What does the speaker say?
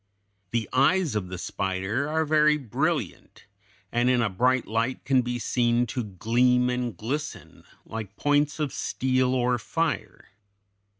The eyes of the spider are very brilliant, and in a bright light can be seen to gleam and glisten like points of steel or fire.